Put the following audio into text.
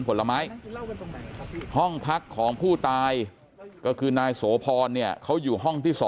ผลไม้ห้องพักของผู้ตายก็คือนายโสพรเนี่ยเขาอยู่ห้องที่๒